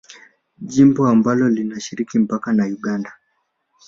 Jimbo ambalo linashiriki mpaka na Uganda